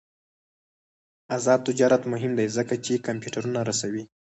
آزاد تجارت مهم دی ځکه چې کمپیوټرونه رسوي.